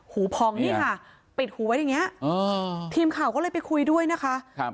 พองนี่ค่ะปิดหูไว้อย่างเงี้ทีมข่าวก็เลยไปคุยด้วยนะคะครับ